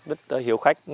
rất hiểu khách